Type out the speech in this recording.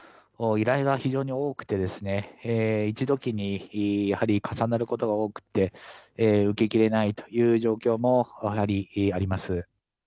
依頼が非常に多くて、一時にやはり重なることが多くて、受けきれないという状況も、やはりあります。